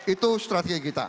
itu strategi kita